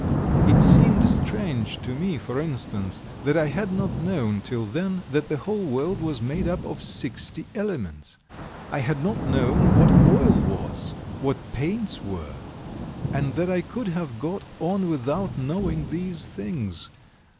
It seemed strange to me, for instance, that I had not known till then that the whole world was made up of sixty elements, I had not known what oil was, what paints were, and that I could have got on without knowing these things.